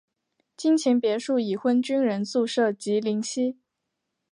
金钱别墅已婚军人宿舍及林夕。